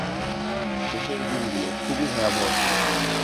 শেষের দিনগুলো খুবই ভয়াবহ ছিল।